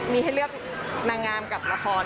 มีให้เลือกนางงามกับละคร